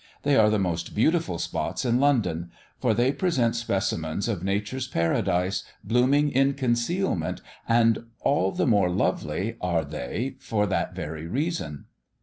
They are the most beautiful spots in London, for they present specimens of nature's paradise, blooming in concealment, and all the more lovely are they for that very reason.